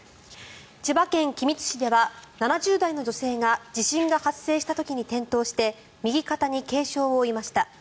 千葉県木更津市では７０代の女性が地震が発生した時に転倒して右肩に軽傷を負いました。